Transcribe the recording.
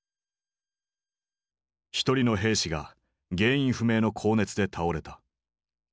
１人の兵士が原因不明の高熱で倒れた。